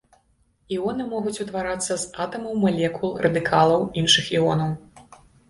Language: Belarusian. Іоны могуць утварацца з атамаў, малекул, радыкалаў, іншых іонаў.